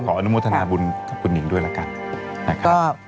อนุโมทนาบุญกับคุณหิงด้วยละกันนะครับ